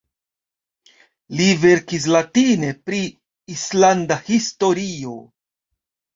Li verkis latine pri islanda historio.